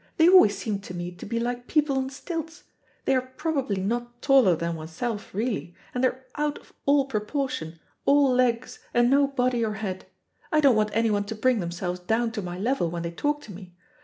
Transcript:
They always seem to me to be like people on stilts. They are probably not taller than oneself really, and they're out of all proportion, all legs, and no body or head. I don't want anyone to bring themselves down to my level when they talk to me.